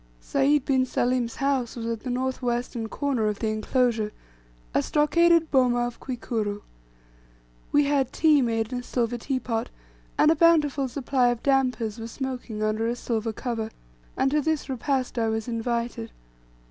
Sayd bin Salim's house was at the north western corner of the inclosure, a stockaded boma of Kwikuru. We had tea made in a silver tea pot, and a bountiful supply of "dampers" were smoking under a silver cover; and to this repast I was invited.